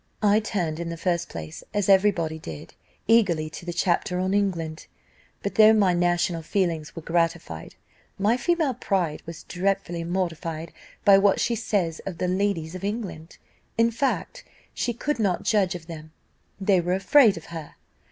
I turned, in the first place, as every body did, eagerly to the chapter on England, but, though my national feelings were gratified, my female pride was dreadfully mortified by what she says of the ladies of England; in fact, she could not judge of them. They were afraid of her.